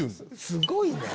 すごいね。